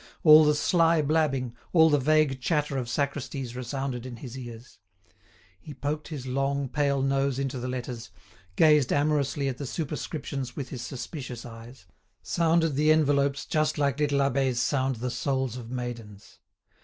All the sly blabbing, all the vague chatter of sacristies resounded in his ears. He poked his long, pale nose into the letters, gazed amorously at the superscriptions with his suspicious eyes, sounded the envelopes just like little abbés sound the souls of maidens.